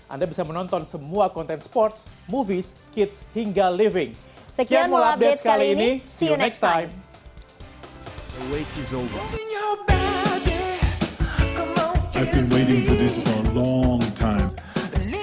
anda bisa menonton semua konten sports movies kids hingga video video yang akan kita tunjukkan di video selanjutnya